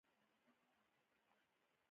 د اکتوبر پر اتلسمه سهار له کوره راووتلم.